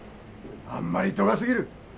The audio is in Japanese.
あんまり度が過ぎる。